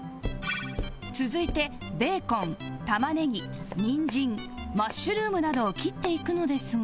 続いてベーコン玉ねぎ人参マッシュルームなどを切っていくのですが